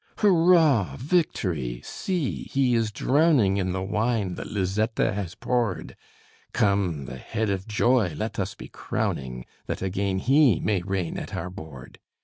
Hurrah, Victory! See, he is drowning In the wine that Lizzetta has poured. Come, the head of Joy let us be crowning, That again he may reign at our board.